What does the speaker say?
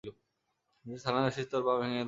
আবার যদি থানায় আসিস, তোর পা ভেঙে হাতে ধরিয়ে দিবো।